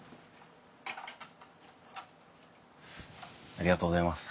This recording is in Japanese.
ありがとうございます。